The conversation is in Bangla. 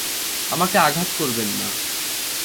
আমাকে আঘাত করবেন না।